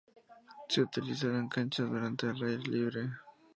Se utilizarán canchas duras al aire libre.